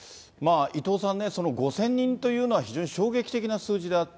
伊藤さんね、５０００人というのは非常に衝撃的な数字であった、